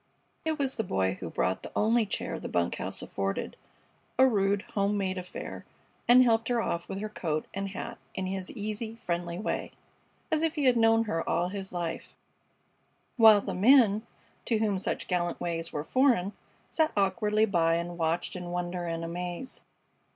It was the Boy who brought the only chair the bunk house afforded, a rude, home made affair, and helped her off with her coat and hat in his easy, friendly way, as if he had known her all his life; while the men, to whom such gallant ways were foreign, sat awkwardly by and watched in wonder and amaze.